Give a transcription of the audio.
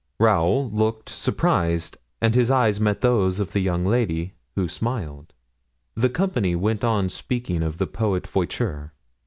Raoul looked surprised and his eyes met those of the young lady, who smiled. The company went on speaking of the poet Voiture.